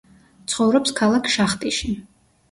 ცხოვრობს ქალაქ შახტიში.